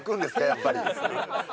やっぱり。